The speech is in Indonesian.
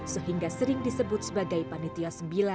sehingga sering disebut sebagai panitia sembilan